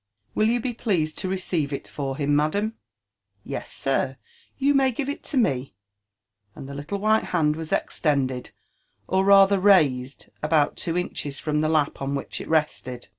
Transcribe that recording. Will yoube pleased to receive it for him, madam f '* Yes, sir, you may give it to me;" and (he little white hand was extended, or rather raised, about two inches from the lap on which it rested.